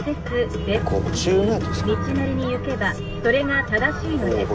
「道なりに行けばそれが正しいのです」。